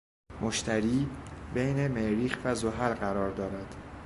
مشتری، بین مریخ و زحل قرار دارد